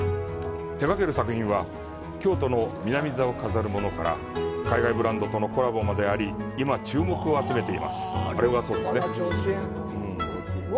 手がける作品は、京都の南座を飾るものから海外ブランドとのコラボまであり、今、注目を集めています。